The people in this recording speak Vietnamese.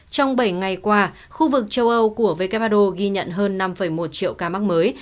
trong bảy ngày qua khu vực châu âu của who ghi nhận hơn năm một triệu ca mắc mới